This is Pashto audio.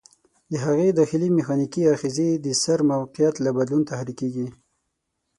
د هغې داخلي میخانیکي آخذې د سر د موقعیت له بدلون تحریکېږي.